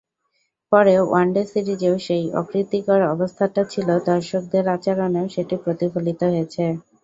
পরে ওয়ানডে সিরিজেও সেই অপ্রীতিকর অবস্থাটা ছিল, দর্শকদের আচরণেও সেটি প্রতিফলিত হয়েছে।